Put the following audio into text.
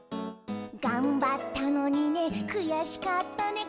「がんばったのにねくやしかったね」